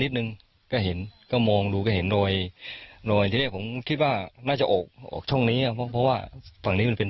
หนึ่งก็เห็นก็มองดูก็เห็นรอยโดยที่แรกผมคิดว่าน่าจะออกออกช่องนี้เพราะว่าฝั่งนี้มันเป็น